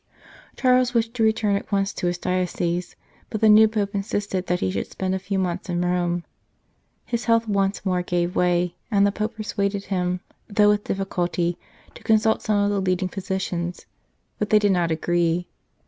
Charles wished to return at once to his diocese, but the new Pope insisted that he should spend a few months in Rome. His health once more gave way, and the Pope persuaded him, though with difficulty, to consult some of the leading physi cians ; but they did not agree.